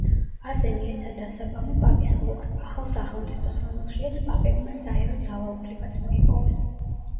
ასე მიეცა დასაბამი პაპის ოლქს, ახალ სახელმწიფოს, რომელშიაც პაპებმა საერო ძალაუფლებაც მოიპოვეს.